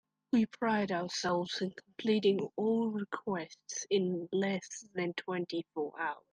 We pride ourselves in completing all requests in less than twenty four hours.